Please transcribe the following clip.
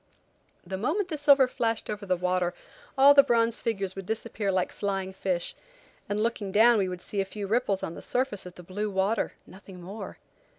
The moment the silver flashed over the water all the bronze figures would disappear like flying fish, and looking down we would see a few ripples on the surface of the blue water–nothing more.